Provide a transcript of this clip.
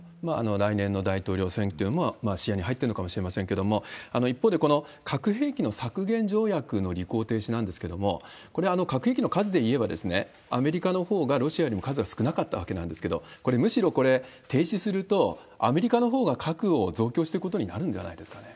来年の大統領選挙も視野に入っているのかもしれませんけれども、一方で、この核兵器の削減条約の履行停止なんですけれども、これ、核兵器の数でいえば、アメリカのほうがロシアよりも数は少なかったわけなんですけれども、これ、むしろこれ停止すると、アメリカのほうが核を増強していくことになるんじゃないですかね。